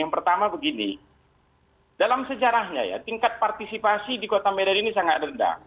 yang pertama begini dalam sejarahnya ya tingkat partisipasi di kota medan ini sangat rendah